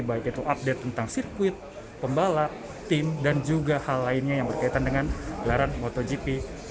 baik itu update tentang sirkuit pembalap tim dan juga hal lainnya yang berkaitan dengan gelaran motogp dua ribu dua puluh